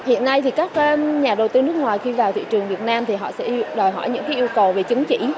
hiện nay thì các nhà đầu tư nước ngoài khi vào thị trường việt nam thì họ sẽ đòi hỏi những yêu cầu về chứng chỉ